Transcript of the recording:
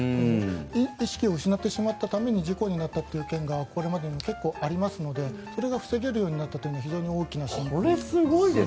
意識を失ってしまったために事故になったという件も結構ありますのでそれが防げるようになったというのは非常に大きな進歩だと思います。